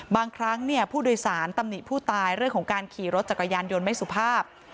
บางครั้งผู้โดยสารตำหนิผู้ตายเรื่องของการขี่รถจักรยานยนต์ไม่สุภาพ